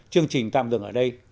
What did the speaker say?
chương trình tạm dừng ở đây